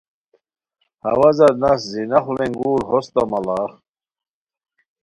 ہوازار نست زینخ ڑینگور ہوستہ مڑاغ